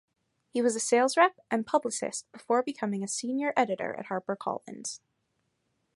He was a sales rep and publicist before becoming a Senior editor at HarperCollins.